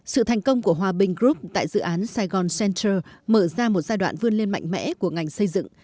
sự thành công của hòa bình group tại dự án sài gòn center mở ra một giai đoạn vươn lên mạnh mẽ của ngành xây dựng